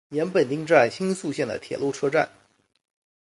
岩本町站新宿线的铁路车站。